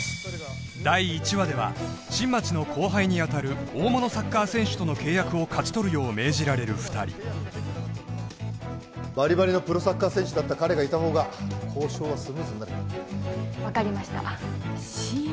第１話では新町の後輩にあたる大物サッカー選手との契約を勝ち取るよう命じられる２人バリバリのプロサッカー選手だった彼がいた方が交渉はスムーズになる分かりましたＣＭ？